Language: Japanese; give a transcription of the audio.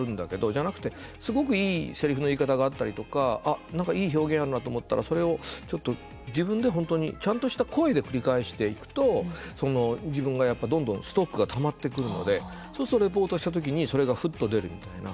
じゃなくて、すごくいいせりふの言い方があったりとかあ、なんかいい表現あるなと思ったら、それをちょっと自分で本当にちゃんとした声で繰り返していくと自分がどんどんストックがたまってくるのでそうするとレポートしたときにそれが、ふっと出るみたいな。